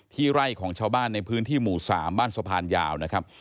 ไร่ของชาวบ้านในพื้นที่หมู่๓บ้านสะพานยาวนะครับ